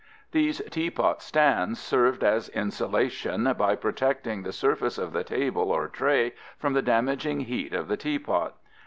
These teapot stands served as insulation by protecting the surface of the table or tray from the damaging heat of the teapot.